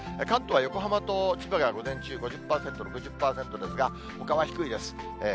関東は横浜と千葉が午前中５０％、６０％ですが、ほかは低いです。